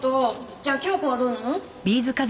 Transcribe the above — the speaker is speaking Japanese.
じゃあ京子はどうなの？